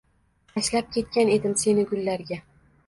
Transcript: Tashlab ketgan edim seni gullarga.